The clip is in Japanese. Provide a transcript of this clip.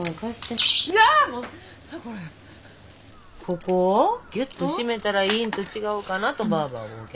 ここをギュッと締めたらいいんと違うかなとばあばは思うけど。